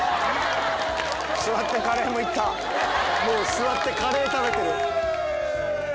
座ってカレー食べてる。